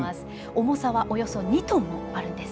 重さはおよそ２トンもあるんです。